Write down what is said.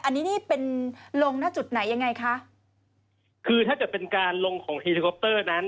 อันนี้นี่เป็นลงหน้าจุดไหนยังไงคะคือถ้าเกิดเป็นการลงของเฮลิคอปเตอร์นั้น